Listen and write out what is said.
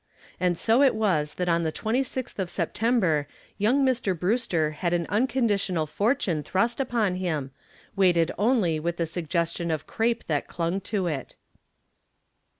And so it was that on the 26th of September young Mr. Brewster had an unconditional fortune thrust upon him, weighted only with the suggestion of crepe that clung to it.